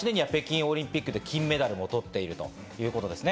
２００８年には北京オリンピックで金メダルを取っているということですね。